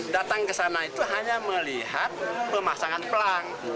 datang ke sana itu hanya melihat pemasangan pelang